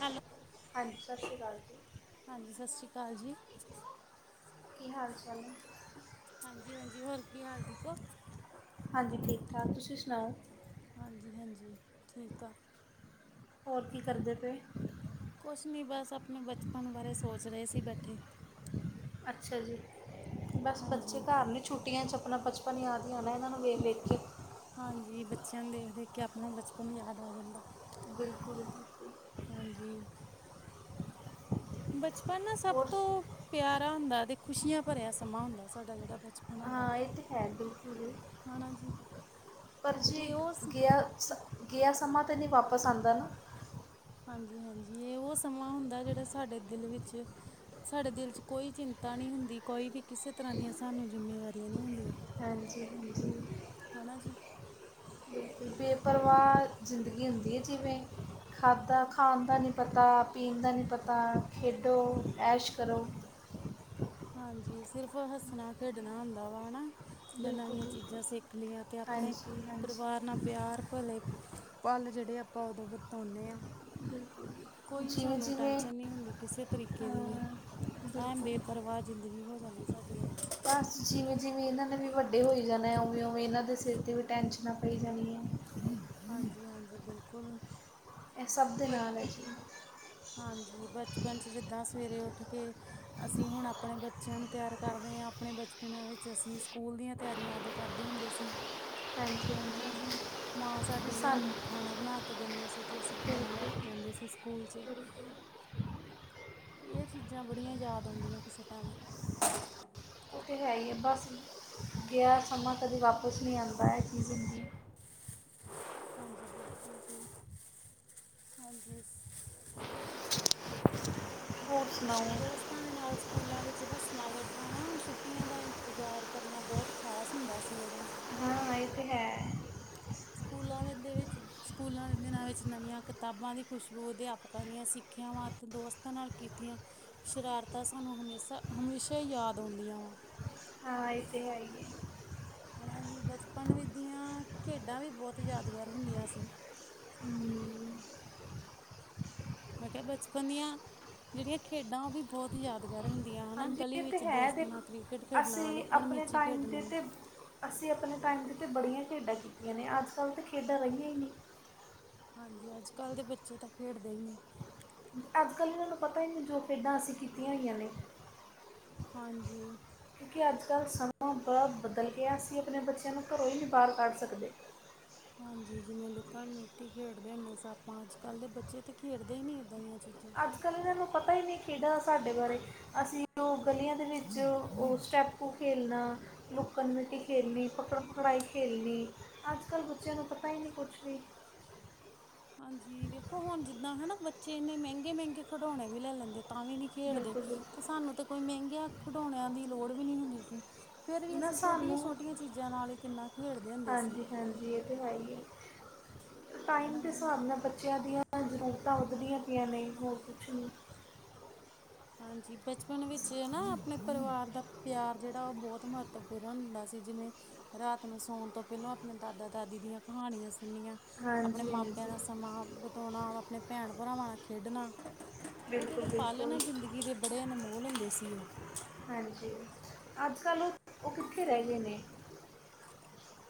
Hello ਹਾਂ ਜੀ ਸਤਿ ਸ਼੍ਰੀ ਅਕਾਲ ਜੀ ਹਾਂ ਜੀ ਸਤਿ ਸ਼੍ਰੀ ਅਕਾਲ ਜੀ ਕੀ ਹਾਲ ਚਾਲ। ਹਾਂਜੀ ਹਾਂਜੀ ਹੋਰ ਕੀ ਹਾਲ ਠੀਕ ਹੋ? ਹਾਂ ਜੀ ਠੀਕ ਠਾਕ ਤੁਸੀਂ ਸੁਣਾਓ ਹਾਂਜੀ ਹਾਂਜੀ ਠੀਕ ਆ ਹੋਰ ਕੀ ਕਰਦੇ ਪਏ ਕੁਛ ਨਹੀਂ ਬਸ, ਆਪਣੇ ਬਚਪਨ ਬਾਰੇ ਸੋਚ ਰਹੇ ਸੀ ਬੈਠੇ ਅੱਛਾ ਜੀ, ਬਸ ਬੱਚੇ ਹਾਂਜੀ ਘਰ ਨੇ। ਛੁੱਟੀਆਂ ਚ ਅਪਨਾ ਬਚਪਨ ਯਾਦ ਹੀ ਆਨਾ ਇਹਨਾਂ ਨੂੰ ਵੇਖ ਵੇਖ ਕੇ। ਹਾਂਜੀ ਬੱਚਿਆਂ ਨੂੰ ਦੇਖ ਦੇਖ ਕੇ ਆਪਣਾ ਬਚਪਨ ਯਾਦ ਆ ਜਾਂਦਾ ਬਿਲਕੁਲ ਹਾਂਜੀ ਬਚਪਨ ਨਾ, ਸਭ ਹੋਰ ਤੋਂ ਪਿਆਰਾ ਹੁੰਦਾ ਅਤੇ ਖੁਸ਼ੀਆਂ ਭਰਿਆ ਸਮਾਂ ਹੁੰਦਾ ਸਾਡਾ ਜਿਹੜਾ ਬਚਪਨ ਹੁੰਦਾ। ਹਾਂ ਹੈ ਕੁਛ, ਆਣਾ ਜੀ। ਪਰ ਜੇ ਇਹ ਉਹ ਗਿਆ ਸ ਗਿਆ ਸਮਾਂ ਤਾਂ ਨਹੀਂ ਵਾਪਸ ਆਂਦਾ ਨਾ! ਹਾਂਜੀ ਹਾਂਜੀ, ਇਹ ਉਹ ਸਮਾਂ ਹੁੰਦਾ ਜਿਹੜਾ ਸਾਡੇ ਦਿਲ ਵਿੱਚ। ਸਾਡੇ ਦਿਲ ਚ ਕੋਈ ਚਿੰਤਾ ਨਹੀਂ ਹੁੰਦੀ,, ਕੋਈ ਵੀ ਕਿਸੇ ਤਰ੍ਹਾਂ ਦੀਆਂ ਸਾਨੂੰ ਜਿੰਮੇਵਾਰੀਆਂ ਨਹੀਂ ਹੁੰਦੀਆਂ। ਹਾਂਜੀ ਹਾਂਜੀ। ਹੈ ਨਾ ਜੀ। ਬੇਪਰਵਾਹ ਜ਼ਿੰਦਗੀ ਹੁੰਦੀ ਹੈ ਜਿਵੇਂ? ਖਾਧਾ ਖਾਣ ਦਾ ਨਹੀਂ ਪਤਾ ਪੀਣ ਦਾ ਨਹੀਂ ਪਤਾ ਖੇਡੋ ਐਸ਼ ਕਰੋ। ਹਾਂਜੀ, ਸਿਰਫ਼ ਹੱਸਣਾ ਖੇਡਣਾ ਹੁੰਦਾ ਵਾ ਹੈ ਨਾ। ਜਾਂ ਬਿਲਕੁਲ ਨਵੀਆਂ ਬਿਲਕੁਲ ਚੀਜ਼ਾਂ ਸਿੱਖ ਲਈਆਂ ਤੇ ਆਪਣੇ ਹਾਂਜੀ ਹਾਂਜੀ ਪਰਿਵਾਰ ਨਾਲ ਪਿਆਰ ਭਲੇ। ਪਲ ਜਿਹੜੇ, ਆਪਾਂ ਉਦੋਂ ਬਤਾਉਂਦੇ ਆ। ਕੋਈ ਜਿਵੇਂ ਸਾਨੂੰ ਜਿਵੇਂ ਟੈਂਸ਼ਨ ਨਹੀਂ ਹੁੰਦੀ। ਕਿਸੇ ਤਰੀਕੇ ਦੀ ਵੀ ਅਹ, ਐਨ ਬਿਲਕੁਲ ਬੇਪਰਵਾਹ ਜ਼ਿੰਦਗੀ ਹੋ ਜਾਂਦੀ ਸਾਡੀ ਓਦੋਂ। ਬਸ ਜਿਵੇਂ ਜਿਵੇਂ ਇਹਨਾਂ ਨੇ ਵੀ ਵੱਡੇ ਹੋਈ ਜਾਣਾ ਹੈ। ਉਵੇਂ ਉਵੇਂ ਇਹਨਾਂ ਦੇ ਸਿਰ 'ਤੇ ਵੀ ਟੈਂਸ਼ਨਾਂ ਪਈ ਜਾਣੀਆਂ। ਹਾਂਜੀ, ਹਾਂਜੀ ਬਿਲਕੁਲ। ਇਹ ਸਭ ਦੇ ਬ ਨਾਲ ਹੈ ਜੀ। ਹਾਂਜੀ ਬਚਪਨ ' ਜਿੱਦਾਂ ਸਵੇਰੇ ਉੱਠ ਕੇ। ਅਸੀਂ ਹੁਣ ਆਪਣੇ ਬੱਚਿਆਂ ਨੂੰ ਤਿਆਰ ਕਰਦੇ ਹਾਂ, ਆਪਣੇ ਬਚਪਨਾਂ ਵਿੱਚ ਅਸੀਂ ਸਕੂਲ ਦੀਆਂ ਤਿਆਰੀਆਂ ਉਦੋਂ। ਕਰਦੇ ਹੁੰਦੇ ਸੀ। ਹਾਂਜੀ ਹਨਾ ਹਾਂਜੀ। ਜੀ ਮਾਂ ਸਾਡੀ ਸਾਨੂੰ ਖਾਣਾ ਬਣਾ ਕੇ ਦੇਂਦੇ ਸੀ, ਅਤੇ ਅਸੀਂ ਖਾਣਾ ਲੈ ਕੇ ਬਿਲਕੁਲ ਜਾਂਦੇ ਸੀ ਸਕੂਲ 'ਚ। ਬਿਲਕੁਲ ਇਹ ਚੀਜ਼ਾਂ ਬੜੀਆਂ ਯਾਦ ਆਉਦੀਆਂ ਕਿਸੇ ਟਾਈਮ। ਇਹ ਤੇ ਹੈ ਹੀ ਆ, ਬਸ ਗਿਆ ਸਮਾਂ ਕਦੇ ਵਾਪਸ ਨਹੀਂ ਆਂਦਾ। ਇਹ ਚੀਜ਼ ਹੁੰਦੀ ਹੈਗੀ। ਹਾਂਜੀ, ਬਿਲਕੁਲ ਜੀ, ਹਾਂਜੀ। ਹੋਰ ਸੁਣਾਓ ਦੋਸਤਾਂ ਦੇ ਨਾਲ ਸਕੂਲਾਂ ਵਿੱਚ ਹੱਸਣਾ ਖੇਡਣਾ ਨਾ ਛੁੱਟੀਆਂ ਦਾ ਇੰਤਜ਼ਾਰ ਕਰਨਾ ਬਹੁਤ। ਖਾਸ ਹੁੰਦਾ ਸੀ ਉਦੋਂ। ਹਾਂ ਹਾਂ ਇਹ ਤਾਂ ਹੈ। ਸਕੂਲਾਂ ਦੇ ਵਿੱਚ, ਸਕੂਲਾਂ ਦੇ ਦਿਨਾਂ ਵਿੱਚ ਨਵੀਆਂ ਕਿਤਾਬਾਂ ਦੀ ਖੁਸ਼ਬੂ ਅਧਿਆਪਕਾਂ ਦੀਆਂ ਸਿੱਖਿਆਵਾ। ਅਤੇ ਦੋਸਤਾਂ ਨਾਲ ਕੀਤੀਆਂ ਸ਼ਰਾਰਤਾਂ ਸਾਨੂੰ ਹਮੇਸ਼ਾ-ਹਮੇਸ਼ਾ ਹੀ ਯਾਦ ਆਉਂਦੀਆਂ ਵਾ। ਹਾਂ ਇਹ ਤੇ ਹੈ ਈ ਏ। ਹਾਂ ਜੀ ਬਚਪਨ ਵਿੱਚ ਦੀਆਂ ਖੇਡਾਂ ਵੀ ਬਹੁਤ ਯਾਦਗਾਰ ਹੁੰਦੀਆਂ ਸੀ। ਮੈਂ ਕਿਹਾ ਬਚਪਨ ਦੀਆਂ ਜਿਹੜੀਆਂ ਖੇਡਾਂ, ਉਹ ਵੀ ਬਹੁਤ ਯਾਦਗਾਰ ਹੁੰਦੀਆਂ ਹੈ ਨਾ ਹਾਂਜੀ ਗਲੀ ਇਹ ਵਿੱਚ। ਤੇ ਵਿੱਚ ਹੈ ਦੋਸਤਾਂ ਦੇਖ ਨਾਲ ਕ੍ਰਿਕਟ ਖੇਡਣਾ, ਅਸੀਂ ਲੁੱਕਣ ਆਪਣੇ ਮਿਚੀ ਟਾਈਮ ਤੇ ਖੇਡਣੀ। ਤੇ ਅਸੀਂ ਆਪਣੇ ਟਾਈਮ 'ਤੇ ਬੜੀਆਂ ਖੇਡਾਂ ਕੀਤੀਆਂ ਨੇ। ਅੱਜ ਕੱਲ ਤਾਂ ਖੇਡਾਂ ਰਹੀਆਂ ਹੀ ਨਹੀਂ। ਹਾਂਜੀ, ਅੱਜ ਕੱਲ੍ਹ ਦੇ ਬੱਚੇ ਤਾਂ ਖੇਡਦੇ ਹੀ ਨਹੀਂ। ਅੱਜ ਕੱਲ੍ਹ ਇਹਨਾਂ ਨੂੰ ਪਤਾ ਹੀ ਨਹੀਂ, ਜੋ ਖੇਡਾਂ ਅਸੀਂ ਕੀਤੀਆਂ ਹੋਈਆਂ ਨੇ। ਹਾਂਜੀ। ਕਿਉਂਕਿ ਅੱਜ ਕੱਲ੍ਹ ਸਮਾਂ ਬੜਾ ਬਦਲ ਗਿਆ। ਅਸੀਂ ਆਪਣੇ ਬੱਚਿਆਂ ਨੂੰ ਘਰੋਂ ਹੀ ਨਹੀਂ ਬਾਹਰ ਕੱਢ ਸਕਦੇ। ਹਾਂਜੀ, ਜਿਵੇਂ ਲੁਕਣ ਮੀਟੀ ਖੇਡਦੇ ਹੁੰਦੇ ਸਾ ਆਪਾਂ, ਅੱਜ-ਕੱਲ੍ਹ ਦੇ ਬੱਚੇ ਤਾਂ ਖੇਡਦੇ ਹੀ ਨਹੀਂ ਇੱਦਾਂ ਦੀਆਂ ਚੀਜ਼ਾਂ। ਅੱਜ ਕੱਲ੍ਹ ਇਹਨਾਂ ਨੂੰ ਪਤਾ ਹੀ ਨਹੀਂ ਖੇਡਾਂ ਸਾਡੇ ਬਾਰੇ ਅਸੀਂ। ਜੋ ਗਲੀਆਂ ਦੇ ਵਿੱਚ ਉਹ ਸਟੈਪੂ ਖੇਲਣਾ। ਲੂੱਕਣ ਮਿੱਟੀ ਖੇਡਣੀ, ਪਕੜ ਪਕੜਾਈ ਖੇਡਣੀ, ਅੱਜ ਕੱਲ੍ਹ ਬੱਚਿਆਂ ਨੂੰ ਪਤਾ ਹੀ ਨਹੀਂ ਕੁਛ ਵੀ। ਹਾਂਜੀ, ਵੇਖੋ ਹੁਣ ਜਿੱਦਾਂ ਹਨਾ ਬੱਚੇ ਇੰਨੇ ਮਹਿੰਗੇ ਮਹਿੰਗੇ ਖਿਡੌਣੇ ਵੀ ਲੈ ਲੈਂਦੇ ਤਾਂ ਵੀ ਨੀ ਖੇਡਦੇ ਬਿਲਕੁਲ ਤੇ ਬਿਲਕੁਲ ਸਾਨੂੰ ਤੇ ਕੋਈ ਮਹਿੰਗਿਆਂ ਖਿਡੌਣਿਆਂ ਦੀ ਲੋੜ ਵੀ ਨਹੀਂ ਹੁੰਦੀ ਸੀ‌। ਫਿਰ ਵੀ ਨਾ ਅਸੀਂ ਛੋਟੀਆਂ ਸਾਨੂੰ ਛੋਟੀਆਂ ਚੀਜ਼ਾਂ ਨਾਲ ਹੀ ਕਿੰਨਾ ਖੇਡਦੇ ਹੁੰਦੇ ਸੀ। ਹਾਂਜੀ ਹਾਂਜੀ ਇਹ ਤੇ ਹੈ ਇ ਏ ਟਾਈਮ ਹਨਾ ਦੇ ਜੀ ਹਿਸਾਬ ਨਾਲ ਬੱਚਿਆਂ ਦੀਆਂ। ਜ਼ਰੂਰਤਾਂ ਉਡਦੀਆਂ ਪਈਆਂ ਨੇ, ਹੋਰ ਕੁਛ ਨਹੀਂ। ਹਾਂਜੀ, ਬਚਪਨ ਵਿੱਚ ਨਾ ਆਪਣੇ ਪਰਿਵਾਰ ਦਾ ਪਿਆਰ। ਜਿਹੜਾ ਉਹ ਬਹੁਤ ਮਹੱਤਵਪੂਰਨ ਹੁੰਦਾ ਸੀ ਜਿਵੇਂ। ਰਾਤ ਨੂੰ ਸੌਣ ਤੋਂ ਪਹਿਲਾਂ, ਆਪਣੇ ਦਾਦਾ ਦਾਦੀ ਦੀਆਂ ਕਹਾਣੀਆਂ ਸੁਣਨੀਆਂ। ਆਪਣੇ ਹਾਂਜੀ ਮਾਪਿਆਂ ਹਾਂਜੀ ਨਾਲ ਸਮਾਂ ਬਿਤਾਉਣਾ, ਆਪਣੇ ਭੈਣ ਭਰਾਵਾਂ ਨਾਲ ਖੇਡਣਾ। ਉਹ ਬਿਲਕੁਲ ਜਿਹੜੇ ਪਾਲ ਆ ਬਿਲਕੁਲ ਜ਼ਿੰਦਗੀ ਦੇ ਬੜੇ ਅਨਮੋਲ ਹੁੰਦੇ ਸੀ ਉਹ। ਹਾਂਜੀ, ਅੱਜ ਕੱਲ੍ਹ ਉਹ ਕਿੱਥੇ ਰਹਿ ਗਏ ਨੇ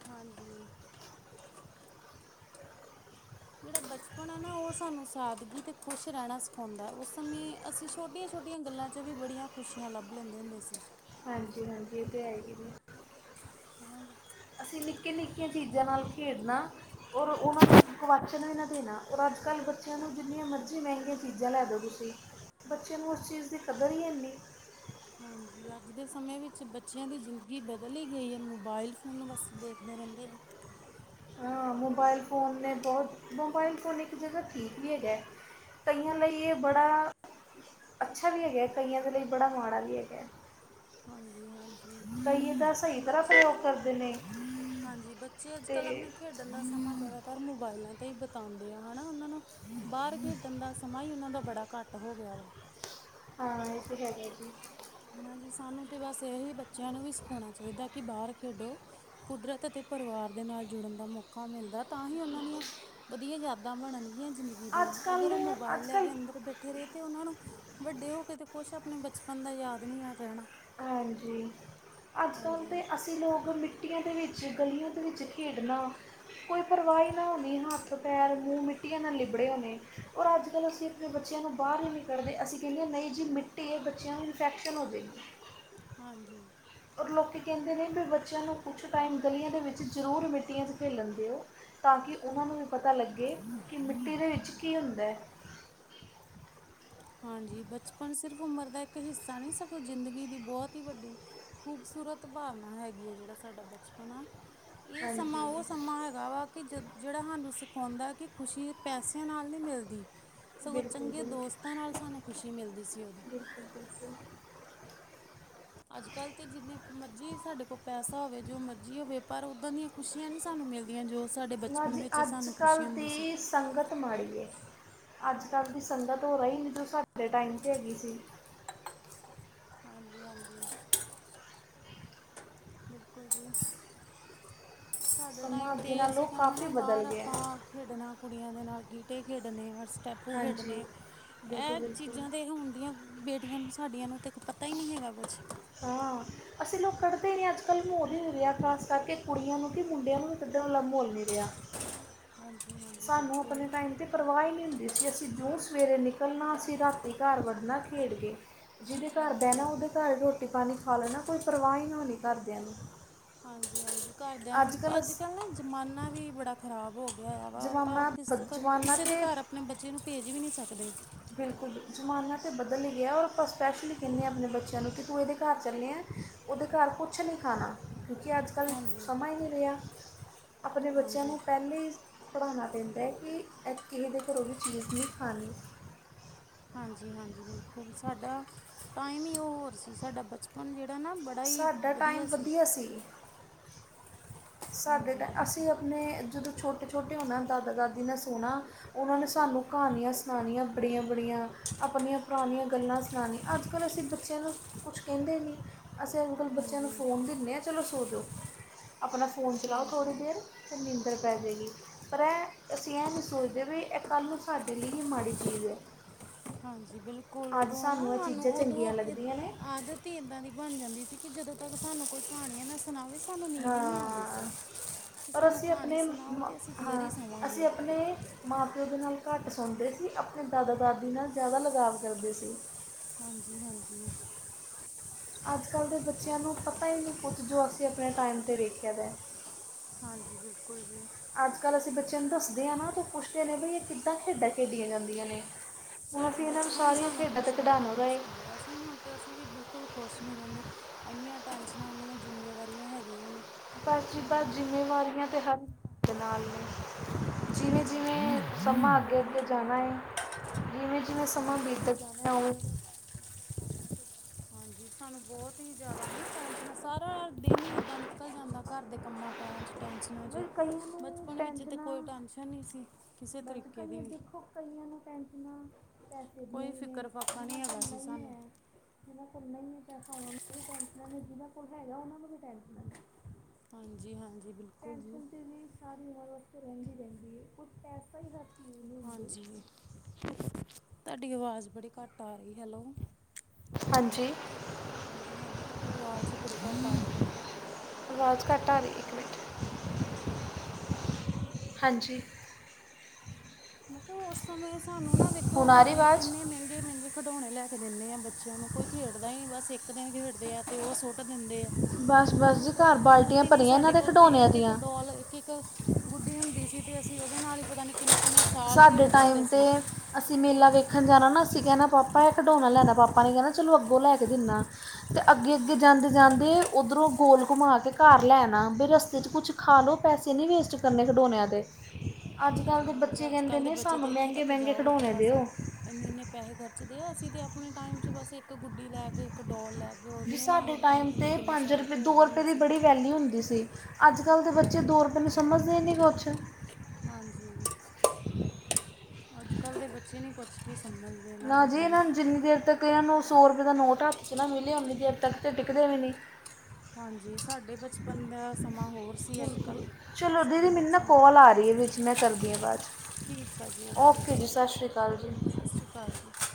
ਹਾਂਜੀ। ਜਿਹੜਾ ਬਚਪਨ ਹੈ ਨਾ, ਉਹ ਸਾਨੂੰ ਸਾਦਗੀ ਅਤੇ ਖੁਸ਼ ਰਹਿਣਾ ਸਿਖਾਉਂਦਾ ਉਸ ਸਮੇਂ ਅਸੀਂ ਛੋਟੀਆਂ ਛੋਟੀਆਂ ਗੱਲਾਂ 'ਚ ਵੀ ਬੜੀਆਂ ਖੁਸ਼ੀਆਂ ਲੱਭ ਲੈਂਦੇ ਹੁੰਦੇ ਸੀ। ਹਾਂਜੀ ਹਾਂਜੀ ਇਹ ਤਾਂ ਹੈ ਜੀ। ਹਾਂਜੀ। ਅਸੀਂ ਨਿੱਕੇੀਆਂ ਨਿੱਕੀਆਂ ਚੀਜ਼ਾਂ ਨਾਲ ਖੇਡਣਾ। ਔਰ ਉਹਨਾਂ ਨੂੰ ਕੁਵਾਚ ਬੱਚ ਨੂੰ ਨਾ ਦੇਣਾ। ਔਰ, ਅੱਜ ਕੱਲ੍ਹ ਬੱਚਿਆਂ ਨੂੰ ਜਿੰਨੀਆਂ ਮਰਜ਼ੀ ਮਹਿੰਗੀਆਂ ਚੀਜ਼ਾਂ ਲੈ ਦਿਉ ਤੁਸੀਂ ਬੱਚੇਆਂ ਨੂੰ ਉਸ ਚੀਜ਼ ਦੀ ਕਦਰ ਹੀ ਹੈਨੀ। ਹਾਂਜੀ, ਅੱਜ ਦੇ ਸਮੇਂ ਵਿੱਚ ਬੱਚਿਆਂ ਦੀ ਜ਼ਿੰਦਗੀ ਬਦਲ ਹੀ ਗਈ ਹੈ। ਮੋਬਾਇਲ ਫੋਨ ਬਸ ਦੇਖਦੇ ਰਹਿੰਦੇ ਆ। ਹਾਂ, ਮੋਬਾਈਲ ਫੋਨ ਨੇ ਬਹੁਤ, ਮੋਬਾਈਲ ਫ਼ੋਨ ਇੱਕ ਜਗਾ ਠੀਕ ਵੀ ਹੈਗਾ ਹੈ। ਕਈਆਂ ਲਈ ਇਹ ਬੜਾ ਅੱਛਾ ਵੀ ਹੈਗਾ। ਕਾਇਈਆਂ ਦੇ ਲਈ ਬੜਾ ਮਾੜਾ ਵੀ ਹੈਗਾ। ਹਾਂਜੀ ਹਾਂਜੀ। ਕਈ ਇਹਦਾ ਸਹੀ ਤਰ੍ਹਾਂ ਬੱਚੇ ਨਾ ਪ੍ਰਯੋਗ ਕਰਦੇ ਨੇ ਹਾਂਜੀ, ਬੱਚੇ ਅੱਜ ਤੇ ਕੱਲ ਆਪਣਾ ਖੇਡਣ ਦਾ ਸਮਾਂ ਜ਼ਿਆਦਾਤਰ ਮੋਬਾਇਲਾਂ ਤੇ ਹੀ। ਉਂਦੇ ਆ ਹਨਾ ਉਹਨਾਂ ਨੂੰ ਬਾਹਰ ਖੇਡਣ ਦਾ ਸਮਾਂ ਹੀ, ਉਹਨਾਂ ਦਾ ਬੜਾ ਘੱਟ ਹੋ ਗਿਆ ਵਾ। ਹਾਂ ਇਹ ਤੇ ਹੈਗਾ ਹੈ ਜੀ। ਹਾਜੀ, ਸਾਨੂੰ ਤਾਂ ਬਸ ਇਹੀ ਬੱਚਿਆਂ ਨੂੰ ਵੀ ਸਿਖਾਉਣਾ ਚਾਹੀਦਾ ਕਿ ਬਾਹਰ ਖੇਡੋ। ਕੁਦਰਤ ਅਤੇ ਪਰਿਵਾਰ ਦੇ ਨਾਲ ਜੁੜਨ ਦਾ ਮੌਕਾ ਔਖਾ ਮਿਲਦਾ ਹੈ। ਤਾਂ ਹੀ ਉਹਨਾਂ ਦੀਆਂ ਵਧੀਆ ਯਾਦਾਂ ਬਣਨਗੀਆਂ ਜਿ ਅੱਜ ਲੱਆਂ ਅਗਰ ਕੱਲ ਉਹ ਅੱਜ ਮੋਬਾਈਲੈ ਕੱਲ ਕੇ ਅੰਦਰ ਬੈਠ ਬੈਠੇ ਰਹੇ ਤੇ ਉਹਨਾਂ ਨੂੰ ਵੱਡੇ ਹੋ ਕੇ ਤੇ, ਕੁਛ ਆਪਣੇ ਬਚਪਨ ਦਾ ਯਾਦ ਨਹੀਂ ਯ ਰਹਿਣਾ। ਹਾਂਜੀ ਅੱਜ ਕੱਲ੍ਹ ਤਾਂ ਹਾਂਜੀ ਅਸੀ ਅਸੀਂ ਲੋਕ ਮਿੱਟੀਆਂ ਦੇ ਵਿੱਚ ਗਲੀਆਂ ਦੇ ਵਿੱਚ ਖੇਡਣਾ ਕੋਈ ਪਰਵਾ ਹੀ ਨਾ ਹੋਣੀ। ਹੱਥ ਪੈਰ ਮੂੰਹ ਮਿੱਟੀਆਂ ਨਾਲ ਲਿਬੜੇ ਹੋਣੇ ਔਰ ਅੱਜ ਕੱਲ੍ਹ ਅਸੀਂ ਬੱਚਿਆਂ ਨੂੰ ਬਾਹਰ ਹੀ ਨਹੀਂ ਕੱਢਦੇ। ਅਸੀਂ ਕਹਿੰਦੇ ਹਾਂ ਨਹੀਂ ਜੀ ਮਿੱਟੀ ਹੈ ਬੱਚਿਆਂ ਨੂੰ ਇਨਫੈਕਸ਼ਨ ਹੋ ਜਾਵੇਗੀ। ਹਾਂਜੀ। ਔਰ ਲੋਕ ਕਹਿੰਦੇ ਨੇ ਵੀ ਬੱਚਿਆਂ ਨੂੰ ਕੁਛ ਟਾਈਮ ਗਲੀਆਂ ਦੇ ਵਿੱਚ ਜ਼ਰੂਰ ਮਿੱਟੀਆਂ 'ਚ ਖੇਲਣ ਦਿਓ। ਤਾਂ, ਕਿ ਉਹਨਾਂ ਨੂੰ ਵੀ ਪਤਾ ਲੱਗੇ ਕਿ ਮਿੱਟੀ ਦੇ ਵਿੱਚ ਕੀ ਹੁੰਦਾ ਹੈ। ਹਾਂਜੀ, ਬਚਪਨ ਸਿਰਫ ਉਮਰ ਦਾ ਇੱਕ ਹਿੱਸਾ ਨਹੀਂ ਸਗੋਂ ਜ਼ਿੰਦਗੀ ਦੀ ਬਹੁਤ ਹੀ ਵੱਡੀ ਖੂਬਸੂਰਤ ਭਾਵਨਾ ਹੈਗੀ ਆ ਜਿਹੜਾ ਸਾਡਾ ਬਚਪਨਾ। ਇਹ ਸਮਾਂ ਹਾਂਜੀ ਉਹ ਸਮਾਂ ਹੈਗਾ ਵਾ ਕਿ ਜ ਜਿਹੜਾ ਸਾਨੂੰ ਸਿਖਾਉਂਦਾ ਕਿ ਖੁਸ਼ੀ ਪੈਸਿਆਂ ਨਾਲ ਨੀ ਮਿਲਦੀ। ਸਗੋਂ ਬਿਲਕੁਲ ਚੰਗੇ ਜੀ। ਦੋਸਤਾਂ ਨਾਲ ਸਾਨੂੰ ਖੁਸ਼ੀ ਮਿਲਦੀ ਸੀ ਉਦੋਂ। ਬਿਲਕੁਲ ਬਿਲਕੁਲ ਅੱਜ ਕੱਲ੍ਹ ਤੇ ਜਿੰਨੇ ਮਰਜ਼ੀ ਸਾਡੇ ਕੋਲ ਪੈਸਾ ਹੋਵੇ, ਜੋ ਮਰਜ਼ੀ ਹੋਵੇ ਪਰ ਉੱਦਾਂ ਦੀਆਂ ਖੁਸ਼ੀਆਂ ਨੀ ਸਾਨੂੰ ਮਿਲਦੀਆਂ। ਜੋ ਸਾਡੇ ਨਾ ਬਚਪਨ ਜੀ ਵਿੱਚ ਅੱਜ ਸਾਨੂੰ ਖੁਸ਼ੀ ਕੱਲ੍ਹ ਹੁੰਦੀ ਸੀ। ਦੀ ਸੰਗਤ ਮਾੜੀ ਹੈ। ਅੱਜ ਕੱਲ੍ਹ ਦੀ ਸੰਗਤ ਉਹ ਰਹੀ ਨਹੀਂ ਜੋ ਸਾਡੇ ਟਾਈਮ 'ਤੇ ਹੈਗੀ ਸੀ। ਹਾਂਜੀ ਹਾਂਜੀ। ਬਿਲਕੁਲ ਜੀ। ਸਾਡੇ ਸਮਾਂ ਟਾਈਮ ਤੇ ਅੱਗੇ ਨਾਲੋਂ ਅਸੀਂ ਕਹਾ ਕਾਫੀ ਨਾ ਬਦਲ ਬਾਹਰ ਗਿਆ ਹੈ ਆਪਾਂ ਖੇਡਣਾ, ਕੁੜੀਆਂ ਦੇ ਨਾਲ ਗੀਟੇ ਖੇਡਣੇ, ਹਰ ਸਟੈਪ ਆਪੂ ਹਾਂਜੀ ਖੇਡਣੇ ਬਿਲਕੁਲ ਇਹ ਬਿਲਕੁਲ ਚੀਜ਼ਾਂ ਤਾਂ ਹੁਣ ਦੀਆਂ ਬੇਟੀਆਂ ਨੂੰ ਸਾਡੀਆਂ ਨੂੰ ਤੇ ਪਤਾ ਹੀ ਨਹੀਂ ਹੈਗਾ ਕੁਛ। ਹਾਂ। ਅਸੀਂ ਲੋਕ ਕੱਢਦੇ ਨਹੀਂ। ਅੱਜ ਕੱਲ੍ਹ ਮਾਹੌਲ ਨਹੀ ਰਿਹਾ। ਖਾਸ ਕਰਕੇ ਕੁੜੀਆਂ ਨੂੰ ਕਿ ਮੁੰਡਿਆਂ ਨੂੰ ਵੀ ਕੱਢਣ ਵਾਲਾ ਮਾਹੌਲ ਨਹੀਂ ਰਿਹਾ। ਹਾਂਜੀ ਹਾਂਜੀ ਸਾਨੂੰ ਬਿਲਕੁਲ ਆਪਣੇ ਟਾਈਮ ਤੇ ਪਰਵਾਹ ਹੀਂ ਨਹੀ ਹੁੰਦੀ ਸੀ ਅਸੀਂ ਜਿਉਂ ਸਵੇਰੇ ਨਿਕਲਣਾ, ਅਸੀਂ ਰਾਤੀ ਘਰ ਵੱਢਣਾ ਖੇਡ ਕੇ। ਜਿਹਦੇ ਘਰ ਹਾਂਜੀ ਬਹਿਣਾ, ਉਹਦੇ ਘਰ ਰੋਟੀ ਪਾਣੀ ਖਾ ਲੈਣਾ ਕੋਈ ਪਰਵਾਹ ਹੀ ਨਹੀਂ ਹੋਣੀ ਘਰਦਿਆਂ ਨੂੰ। ਹਾਂਜੀ ਹਾਂਜੀ, ਘਰਦਿਆਂ ਨੂੰ ਵੀ ਅੱਜ ਕੱਲ੍ਹ ਨਾ ਜ਼ਮਾਨਾ ਵੀ ਬੜਾ ਖ਼ਰਾਬ ਹੋ ਗਿਆ। ਹੈ ਵਾ ਆਪਾਂ ਜ਼ਮਾਨਾ ਕਿਸ ਬਦ ਕ ਜ਼ਮਾਨਾ ਕਿਸੇ ਦੇ ਤਾਂ ਘਰ ਆਪਣੇ ਬੱਚੇ ਨੂੰ ਭੇਜ ਵੀ ਨਹੀਂ ਸਕਦੇ। ਬਿਲਕੁਲ ਜ਼ਮਾਨਾ ਤਾਂ ਬਦਲ ਹੀ ਗਿਆ, ਔਰ ਆਪਾਂ ਸਪੈਸ਼ਲੀ ਕਹਿੰਦੇ ਹਾਂ ਆਪਣੇ ਬੱਚਿਆਂ ਨੂੰ ਕਿ ਤੂੰ ਇਹਦੇ ਘਰ ਚੱਲਿਆ ਉਹਦੇ ਘਰ ਕੁਛ ਨਹੀਂ ਖਾਣਾ। ਕਿਉਂਕਿ ਅੱਜ ਕੱਲ੍ਹ ਹਾਂਜੀ ਸਮਾਂ ਹੀ ਨਹੀਂ ਰਿਹਾ ਆਪਣੇ ਬੱਚਿਆਂ ਹਾਂਜੀ ਨੂੰ ਪਹਿਲਾਂ ਹੀ- ਪੜ੍ਹਾਉਣਾ ਪੈਂਦਾ ਹੈ ਕਿ, ਕਿਸੇ ਦੇ ਘਰੋਂ ਵੀ ਚੀਜ਼ ਨਹੀਂ ਖਾਣੀ। ਹਾਂਜੀ ਹਾਂਜੀ, ਬਿਲਕੁਲ ਸਾਡਾ ਟਾਈਮ ਹੀ ਉਹ ਹੋਰ ਸੀ ਸਾਡਾ ਬਚਪਨ ਜਿਹੜਾ ਨਾ ਬੜਾ- ਬੜਾ ਹੀ ਸਾਡਾ ਵਧੀਆ ਸੀ। [inaudible] ਸਾਡੇ ਹਾਂਜੀ ਟ ਬਿਲਕੁਲ ਅਸੀਂ ਆਪਣੇ ਜਦੋਂ ਛੋਟੇ ਛੋਟੇ ਹੁੰਣਾ ਦਾਦਾ ਦਾਦੀ ਨੇ ਸੁਣਾ ਉਹਨਾਂ ਨੇ ਸਾਨੂੰ ਕਹਾਣੀਆਂ ਸੁਣਾਉਣੀਆਂ ਬੜੀਆਂ ਬੜੀਆਂ ਆਪਣੀਆਂ ਪੁਰਾਣੀਆਂ ਗੱਲਾਂ ਸੁਣਾਉਣੀਆਂ ਅੱਜ ਕੱਲ ਅਸੀਂ ਬੱਚਿਆਂ ਨੂੰ ਕੁਛ ਕਹਿੰਦੇ ਨਹੀਂ ਅਸੀਂ ਅੱਜ ਕੱਲ੍ਹ ਬੱਚਿਆਂ ਨੂੰ ਹਾਂਜੀ ਫੋਨ ਦਿੰਦੇ ਹਾਂ ਚਲੋ ਸੋਚੋ ਆਪਣਾ ਫੋਨ ਚਲਾਓ ਹਾਂਜੀ ਥੋੜ੍ਹੀ ਦੇਰ ਅਤੇ ਨਿੰਦਰ ਪੈ ਜੇਗੀ। ਪਰ ਅਸੀਂ ਇਹ ਨਹੀਂ ਸੋਚਦੇ, ਵੀ ਇਹ ਕੱਲ੍ਹ ਨੂੰ ਸਾਡੇ ਲਈ ਹੀ ਮਾੜੀ ਚੀਜ਼ ਹੈ। ਹਾਂਜੀ, ਬਿਲਕੁਲ ਅੱਜ ਉਦੋਂ ਨਾ ਇਹ ਸਾਨੂੰ ਚੀਜ਼ਾਂ ਉਦੋਂ ਚੰਗੀਆਂ ਲੱਗਦੀਆਂ ਨੇ ਆਦਤ। ਤੇ ਇੱਦਾਂ ਦੀ ਬਣ ਜਾਂਦੀ ਸੀ, ਕਿ ਜਦੋਂ ਤੱਕ ਸਾਨੂੰ ਕੋਈ ਕਹਾਣੀ ਆ ਨਾ ਸੁਣਾਵੇ ਸਾਨੂੰ ਨੀਂਦ ਹੀ ਨੀ ਆਉਂਦੀ ਸੀ। ਹਾਂ ਕਿ ਔਰ ਸਾਨੂੰ ਅਸੀਂ ਕਹਾਣੀ ਅਪਣੇ ਸੁਣਾਓ ਮ ਤੇ ਅਸੀਂ ਫੇਰ ਹਾਂ, ਹੀ ਅਸੀਂ ਸੋਵਾਂਗੇ ਅਪਣੇ ਮਾਂ-ਪਿਓ ਦੇ ਨਾਲ ਘੱਟ ਸੋੰਦੇ ਸੀ, ਅਪਣੇ ਦਾਦਾ-ਦਾਦੀ ਨਾਲ ਜੈਦਾ ਲਗਾਵ ਕਰਦੇ ਸੀ। ਹਾਂਜੀ-ਹਾਂਜੀ। ਅੱਜ-ਕੱਲ੍ਹ ਦੇ ਬੱਚਿਆਂ ਨੂੰ ਪਤਾ ਈ ਨੀ ਕੁਛ, ਜੋ ਅਸੀਂ ਅਪਣੇ ਟਾਈਮ ਤੇ ਵੇਖਿਆ ਦੈ। ਹਾਂਜੀ, ਬਿਲਕੁਲ ਜੀ। ਅੱਜ ਕੱਲ੍ਹ ਅਸੀਂ ਬੱਚਿਆਂ ਨੂੰ ਦੱਸਦੇ ਹਾਂ ਨਾ, ਤਾਂ ਪੁੱਛਦੇ ਨੇ ਵੀ ਇਹ ਕਿੱਦਾਂ ਖੇਡਾਂ ਖੇਡੀਆਂ ਜਾਂਦੀਆਂ ਨੇ? ਹੁਣ ਸਾਡਾ ਅਸੀਂ ਇਹਨਾਂ ਨੂੰ ਬਚਪਨ ਹੀ ਸਾਰੀਆਂ ਸਾਂਨੂੰ ਖੇਡਾਂ ਤੇ ਖੁਸ਼ ਕਢਾਉਣਾ ਰਹਿਣਾ ਰਹੇ ਸਿਖਾਉਂਦਾ ਸੀ। ਹੁਣ- ਅਤੇ ਅਸੀਂ ਵੀ ਬਿਲਕੁਲ ਖੁਸ਼ ਨਹੀਂ ਰਹਿੰਦੇ ਇੰਨੀਆਂ ਟੈਸ਼ਨਾਂ, ਇੰਨੀਆਂ ਜ਼ਿੰਮੇਵਾਰੀਆਂ ਹੈਗੀਆਂ ਵਾ। ਬਸ ਜੀ ਬਸ ਸਾਨੂੰ ਜ਼ਿੰਮੇਵਾਰੀਆਂ ਤਾਂ ਹਰ ਕਿਸੇ ਦੇ ਨਾਲ ਨੇ। ਜਿਵੇਂ ਹਾਂਜੀ ਜਿਵੇਂ ਅੱਜ ਕੱਲ੍ਹ ਤਾਂ ਸਮਾਂ ਅੱਗੇ ਅੱਗੇ ਜ਼ਿੰਮੇਵਾਰੀਆਂ ਜਾਣਾ ਬਹੁਤ ਆ ਹੈ ਜਿਵੇਂ ਜਿਵੇਂ ਸਮਾਂ ਹਾਂਜੀ ਬੀਤ ਦਾ ਜਾਣਾ- ਹ ਹਾਂਜੀ ਸਾਨੂੰ ਬਹੁਤ ਹੀ ਜ਼ਿਆਦਾ ਹਨਾ ਟੈਸ਼ਨ ਸਾਰਾ ਦਿਨ ਹੀ ਏਦਾਂ ਨਿਕਲ ਜਾਂਦਾ ਘਰ ਦੇ ਕੰਮਾਂ ਕਾਰਾਂ ਚ ਟੈਂਸ਼ਨਾਂ 'ਚ ਬਈ ਕਈਆਂ ਨੂੰ ਬਚਪਨ ਵਿੱਚ ਤਾਂ ਟੈਨਸ਼ਨਾਂ ਕੋਈ ਟੈਂਸ਼ਨ ਨਹੀਂ ਸੀ ਕਿਸੇ ਬਸ ਤਰੀਕੇ ਕਈਆਂ ਦੀ ਵੀ ਦੇਖੋ ਕਈਆਂ ਨੂੰ ਟੈਂਸ਼ਨ ਪੈਸੇ ਦੀਆਂ ਕੋਈ ਵੀ ਨੇ ਫਿਕਰ ਫਾਕਾ ਨਹੀਂ ਜਿਨ੍ਹਾਂ ਕੋਲ ਹੈਗਾ ਸੀ ਨਹੀਂ ਸਾਨੂੰ ਹੈ ਜਿਨਾਂ ਕੋਲ ਨਹੀਂ ਹੈ ਪੈਸਾ ਉਹਨਾ ਨੂੰ ਵੀ ਟੈਂਸ਼ਨਾ ਨਹੀਂ ਜਿਹਨਾਂ ਕੋਲ ਹੈਗਾ ਉਹਨਾਂ ਨੂੰ ਵੀ ਟੈਸਨਾ ਨਹੀਂ, ਹਾਂਜੀ-ਹਾਂਜੀ, ਬਿਲਕੁਲ ਜੀ ਪੈਨ ਦੇ ਲਈ ਸਾਰੀ ਉਮਰ ਵਾਸਤੇ ਰਹਿੰਦੀ ਰਹਿੰਦੀ ਹੈ, ਕੁਛ ਐਸਾ ਹੀ ਹਰ ਚੀਜ਼ ਨਹੀਂ ਹੁੰਦੀ ਹਾਂਜੀ, ਤੁਹਾਡੀ ਅਵਾਜ਼ ਬੜੀ ਘੱਟ ਆ ਰੀ, ਹੈਲੋ, ਹਾਂਜੀ ਹਾਂਜੀ- ਹਾਂਜੀ। ਤੁਹਾਡੀ ਅਵਾਜ਼ ਹੀ ਬੜੀ ਘੱਟ ਆ ਰੀ ਏ ਕੇਆ। ਅਵਾਜ਼ ਘੱਟ ਆ ਰੀ, ਇੱਕ ਮਿੰਟ। ਹਾਂਜੀ। ਹਾਂਜੀ। ਮੈਂ ਕੈ ਓਸ ਸਮੇਂ ਸਾਨੂੰ ਨਾ ਵੇਖੋ ਆ ਹੁਣ ਰਹੀ ਆਵਾਜ਼ ਇੰਨੇ ਮੈੰਗੇ- ਮੈੰਗੇ ਖਿਡੌਣੇ ਲੈ ਕੇ ਦਿਣੇ ਆ। ਬੱਚਿਆਂ ਨੂੰ ਕੋਈ ਖੇਡਦਾ ਈ ਨੀ ਬਸ ਇੱਕ ਦਿਨ ਖੇਡਦੇ ਆ, ਤੇ ਓਹ ਸੋ ਤ ਦਿੰਦੇ ਐ। ਬਸ ਓਹਨਾਂ ਬਸ ਨੂੰ ਜੀ ਕੋਈ ਘਰ ਕੀਮਤ ਬਾਲਟੀਆਂ ਹੀ ਨੀ, ਭਰੀਆਂ ਸਾਡੇ ਇਹਨਾਂ ਦੇ ਕੋਲ ਤੇ ਖਿਡੌਣਿਆਂ ਇੱਕ-ਇੱਕ ਦੀਆਂ ਡੋਲ ਇੱਕ, ਗੁੱਡੀ ਹੁੰਦੀ ਸੀ ਤੇ ਅਸੀਂ ਓਹਦੇ ਨਾਲ ਹੀ ਪਤਾ ਨੀ ਕਿੰਨੇ-ਕਿੰਨੇ ਸਾਡੇ ਟਾਈਮ ਤੇ ਅਸੀਂ ਮੇਲਾ ਵੇਖਣ ਜਾਣਾ ਨਾ, ਅਸੀਂ ਕੈਣਾ ਪਾਪਾ ਐ ਖਿਡੋਣਾ ਲੈਣਾ, ਪਾਪਾ ਨੇ ਕੈਣਾ ਚਲੋ ਅੱਗੋਂ ਲੈ ਕੇ ਦਿੱਨਾ। ਤੇ ਅੱਗੇ-ਅੱਗੇ ਜਾਂਦੇ-ਜਾਂਦੇ ਓਧਰੋਂ ਗੋਲ ਘੁੰਮਾ ਕੇ ਘਰ ਲੈ ਆਣਾ, ਵੀ ਰਸਤੇ ਚ' ਕੁੱਛ ਖਾ ਲੋ ਪੈਸੇ ਨੀ ਵੇਸਟ ਕਰਨੇ ਖਡੋਣੇਆ ਤੇ, ਅੱਜ-ਕੱਲ ਹਾਂਜੀ ਦੇ ਬੱਚ ਹਾਂਜੀ ਬੱਚੇ ਅੱਜ ਕੈੰਦੇ ਕੱਲ ਦੇ ਨੇ ਸਾਨੂੰ ਮੈੰਗੇ-ਮੈੰਗੇ ਖਡੋਣੇ ਦਿਓ। ਏਨੇ-ਏਨੇ ਪੈਹੇ ਖਰਚਦੇ ਆ, ਅਸੀਂ ਤੇ ਅਪਣੇ ਟਾਈਮ ਚ ਬਸ ਏਕ ਗੁੱਡੀ ਲੈ ਕੇ, ਇੱਕ ਡੋਲ ਲੈ ਕੇ ਉਹਦੇ ਨਾਲ ਸਾਡੇ ਹੀ ਪਤਾ ਨਹੀਂ ਟਾਈਮ ਤੇ ਕਿੰਨੇ ਕਿੰਨੇ ਪੰਜ ਸਾਲ ਰੁਪਏ ਦੋ ਖੇਡਦੇ ਰੁਪਏ ਹੁੰਦੇ ਦੀ ਸੀ ਬੜੀ ਵੈਲਿਊ ਹੁੰਦੀ ਸੀ। ਅੱਜ ਕੱਲ ਦੇ ਹਾਂ ਬੱਚੇ ਦੋ ਰੁਪਏ ਨੂੰ ਸਮਝਦੇ ਨਹੀਂ ਕੁਛ। ਹਾਂਜੀ, ਅੱਜ-ਕੱਲ੍ਹ ਦੇ ਬੱਚੇ ਨਹੀਂ ਕੁਛ ਵੀ ਸਮਝਦੇ। ਨਾ ਜੀ ਇਹਨਾਂ ਨੂੰ ਜਿੰਨੀ ਦੇਰ ਤੱਕ ਇਹਨਾਂ ਨੂੰ ਸੌ ਰੁਪਏ ਦਾ ਨੋਟ ਹੱਥ ਚ ਨਾ ਮਿਲਿਆ ਉਨੀ ਦੇਰ ਤੱਕ ਤਾਂ ਟਿਕਦੇ ਵੀ ਨੀ। ਹਾਂਜੀ ਸਾਡੇ ਬਚਪਨ ਦਾ ਸਮਾਂ ਹੋਰ ਸੀ। ਅੱਜ ਕੱਲ ਚਲੋ ਸਾਡੇ ਦੀਦੀ ਮੈਨੂੰ ਨਾ ਬੱਚਿਆਂ ਦਾ ਕੋਲ ਆ ਰਹੀ ਐ ਵਿੱਚ ਮੈਂ ਕਰਦੀ ਆ ਬਾਅਦ। ਠੀਕ ਆ ਜੀ ਓਕੇ ਜੀ ਸਤਿ ਸ਼੍ਰੀ ਅਕਾਲ ਜੀ। ਸਤਿ ਸ਼੍ਰੀ ਅਕਾਲ ਜੀ।